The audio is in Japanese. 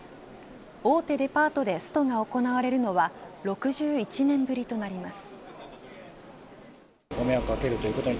大手デパートでストが行われるのは６１年ぶりとなります。